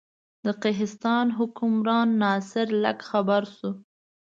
د قهستان حکمران ناصر لک خبر شو.